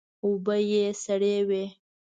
اوبه یې سړې وې.